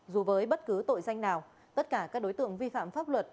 dù với bất cứ tội danh nào tất cả các đối tượng vi phạm pháp luật